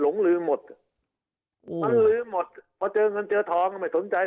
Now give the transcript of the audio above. หลงลืมหมดมันลืมหมดพอเจอเงินเจอทองก็ไม่สนใจ